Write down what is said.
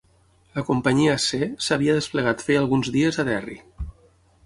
La companyia C s'havia desplegat feia alguns dies a Derry.